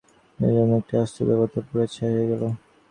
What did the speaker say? কুমারসম্ভবে তো পড়েছিস গৌরীর বিয়ের জন্য একটি আস্ত দেবতা পুড়ে ছাই হয়ে গেল।